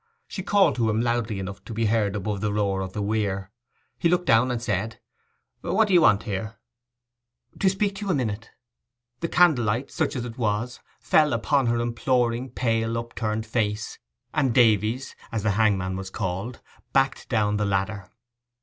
She called to him loudly enough to be heard above the roar of the weir; he looked down and said, 'What d'ye want here?' 'To speak to you a minute.' The candle light, such as it was, fell upon her imploring, pale, upturned face, and Davies (as the hangman was called) backed down the ladder.